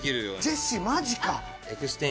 ジェシーマジか。